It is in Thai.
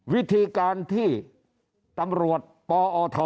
วิธีการที่ตำรวจปอท